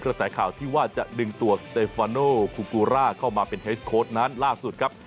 กระแสข่าวที่ว่าจะดึงตัวสเตฟาโนฟูกูร่าเข้ามาเป็นเฮสโค้ดนั้นล่าสุดครับ